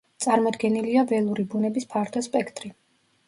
წარმოდგენილია ველური ბუნების ფართო სპექტრი.